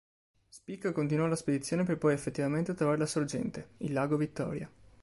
Speke continuò la spedizione per poi effettivamente trovare la sorgente, il lago Vittoria.